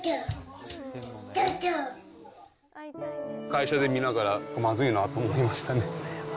会社で見ながら、まずいなと思いましたね。